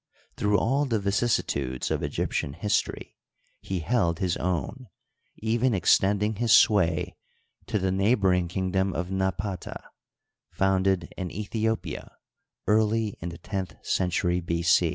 Through all the vicissitudes of Egyptian history ne held his own, even ex tending his sway to the neighboring kingdom of Napata, founded in Ethiopia early in the tenth century B.